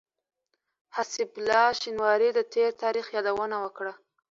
حسيب الله شينواري د تېر تاريخ يادونه وکړه.